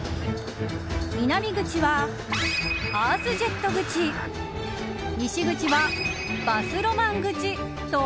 南口は、アースジェット口西口はバスロマン口と。